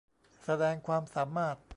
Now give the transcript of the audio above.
แสดงความสามารถ